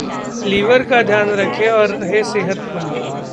liver का ध्यान रखें और रहें सेहतमंद